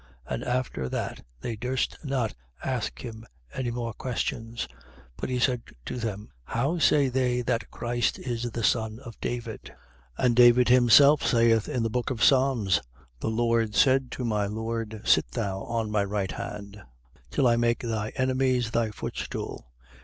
20:40. And after that they durst not ask him any more questions. 20:41. But he said to them: How say they that Christ is the son of David? 20:42. And David himself saith in the book of Psalms: The Lord said to my Lord, sit thou on my right hand, 20:43. Till I make thy enemies thy footstool.